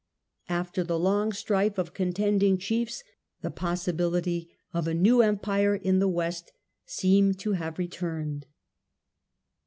After the long strife of contend ing chiefs the possibility of a new Empire in the West seemed to have returned.